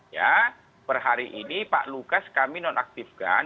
ya per hari ini pak lukas kami nonaktifkan